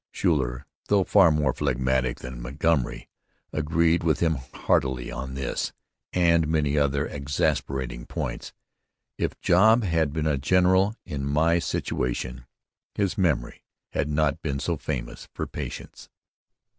Schuyler, though far more phlegmatic than Montgomery, agreed with him heartily about this and many other exasperating points. 'If Job had been a general in my situation, his memory had not been so famous for patience.'